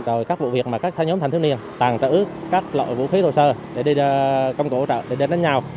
rồi các vụ việc mà các nhóm thanh thiếu niên tàn trở ước các loại vũ khí thổ sơ để đi công cụ hỗ trợ để đánh nhau